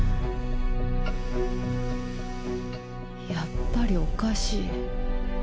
やっぱりおかしい。